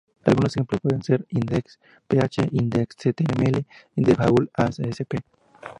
Algunos ejemplos pueden ser index.php, index.shtml, default.asp.